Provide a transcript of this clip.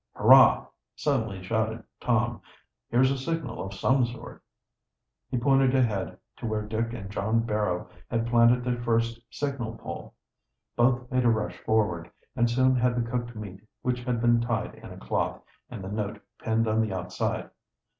"Hurrah!" suddenly shouted Tom. "Here's a signal of some sort!" He pointed ahead, to where Dick and John Barrow had planted their first signal pole. Both made a rush forward, and soon had the cooked meat which had been tied in a cloth and the note pinned on the outside.